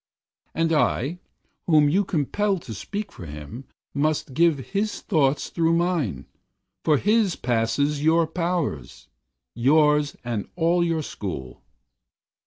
And I, whom you compel to speak for him, Must give his thought through mine, for his Passes your powers yours and all your school.